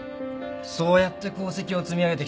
そうやって功績を積み上げてきたんだ。